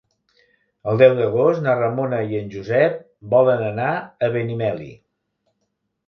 El deu d'agost na Ramona i en Josep volen anar a Benimeli.